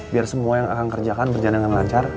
biar semua yang akan kerjakan berjalan dengan lancar